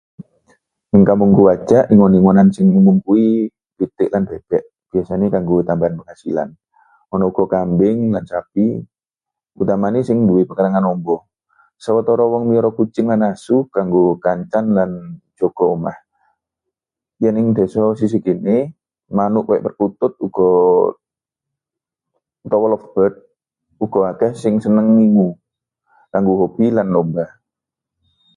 Ing kampungku Wajak, ingon-ingonan sing umum kuwi pitik lan bebek, biasane kanggo tambahan penghasilan. Ana uga kambing lan sapi, utamane sing nduwé pekarangan amba. Sawetara wong miara kucing lan asu kanggo kancan lan jaga omah. Yen ing desa sisih kene, manuk kaya perkutut uga utawa lovebird uga akeh sing seneng ngingu, kanggo hobi lan lomba.